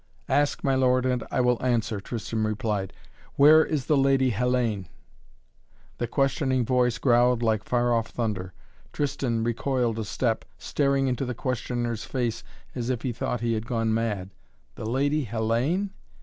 "Ask, my lord, and I will answer," Tristan replied. "Where is the Lady Hellayne?" The questioning voice growled like far off thunder. Tristan recoiled a step, staring into the questioner's face as if he thought he had gone mad. "The Lady Hellayne?"